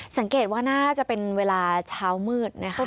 สังเกตว่าน่าจะเป็นเวลาเช้ามืดนะคะ